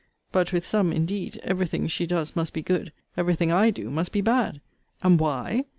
But with some, indeed, every thing she does must be good, every thing I do must be bad And why?